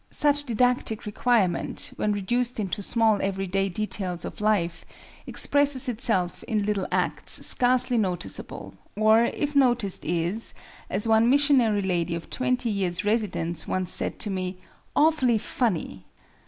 Such didactic requirement, when reduced into small every day details of life, expresses itself in little acts scarcely noticeable, or, if noticed, is, as one missionary lady of twenty years' residence once said to me, "awfully funny."